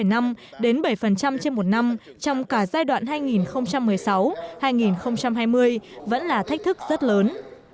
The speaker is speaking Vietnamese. năm trên một năm trong cả giai đoạn hai nghìn một mươi sáu hai nghìn hai mươi vẫn là thách thức rất lớn